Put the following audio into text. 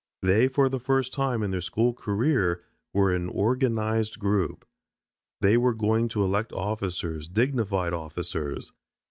They, for the first time in their school career, were an organized group. They were going to elect officers, dignified officers.